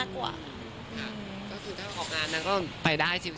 ค่ะ